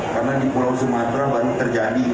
karena di pulau sumatera baru terjadi ini